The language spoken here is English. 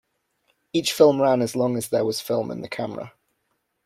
Each film ran as long as there was film in the camera.